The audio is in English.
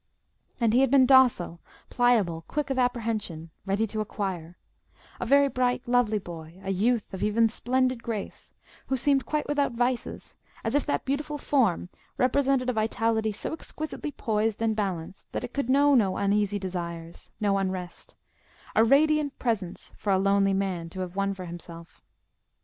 And he had been docile, pliable, quick of apprehension, ready to acquire: a very bright lovely boy, a youth of even splendid grace, who seemed quite without vices, as if that beautiful form represented a vitality so exquisitely poised and balanced that it could know no uneasy desires, no unrest—a radiant presence for a lonely man to have won for himself.